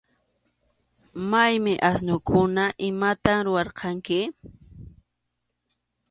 ¿Maymi asnukuna? ¿Imatam rurarqurqanki?